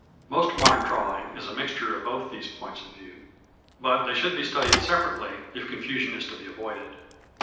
Most modern drawing is a mixture of both these points of view, but they should be studied separately if confusion is to be avoided.